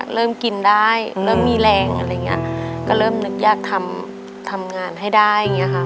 เริ่มกินได้เริ่มมีแรงอะไรอย่างเงี้ยก็เริ่มนึกอยากทำงานให้ได้อย่างเงี้ค่ะ